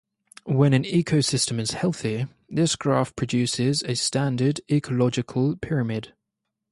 When an ecosystem is healthy, this graph produces a standard "ecological pyramid".